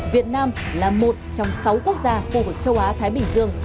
việt nam là một trong sáu quốc gia khu vực châu á thái bình dương